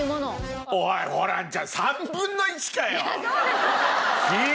おいホランちゃん３分の１かよ！